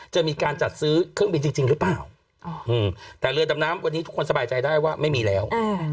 จะมีการจัดซื้อเครื่องบินจริงหรือเปล่าแต่เรือดำน้ำวันนี้ทุกคนสบายใจได้ว่าไม่มีแล้ว